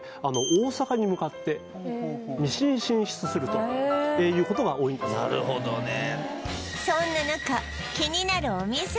大阪に向かって西に進出するということが多いんですなるほどね